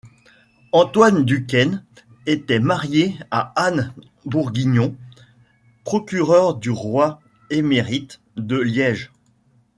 Antoine Duquesne était marié à Anne Bourguignont, procureur du Roi émérite de Liège.